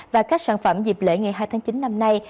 và các sản phẩm dịp lễ ngày hai tháng chín năm nay